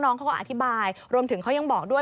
น้องเขาก็อธิบายรวมถึงเขายังบอกด้วย